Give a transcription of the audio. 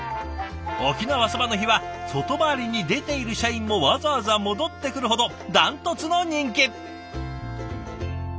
沖縄そばの日は外回りに出ている社員もわざわざ戻ってくるほどダントツの人気。